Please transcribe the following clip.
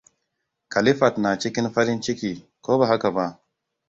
Khalifat na cikin farinciki, ko ba haka ba?